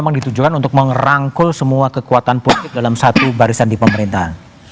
memang ditujukan untuk merangkul semua kekuatan politik dalam satu barisan di pemerintahan